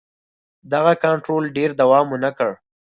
دغه کنټرول ډېر دوام ونه کړ.